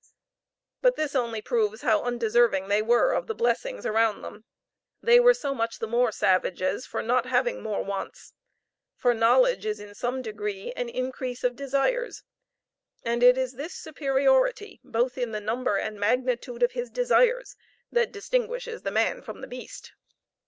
But this only proves how undeserving they were of the blessings around them they were so much the more savages for not having more wants; for knowledge is in some degree an increase of desires, and it is this superiority both in the number and magnitude of his desires that distinguishes the man from the beast.